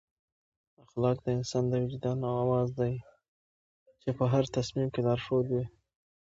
اخلاق د انسان د وجدان اواز دی چې په هر تصمیم کې لارښود وي.